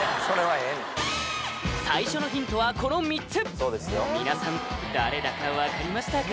最初のヒントはこの３つ皆さん誰だかわかりましたか？